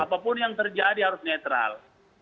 apapun yang terjadi harus netral